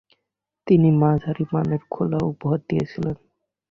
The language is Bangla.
তিনি মাঝারীমানের খেলা উপহার দিয়েছিলেন।